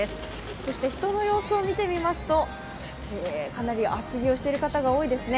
そして人の様子を見てみますとかなり厚着をしている方が多いですね。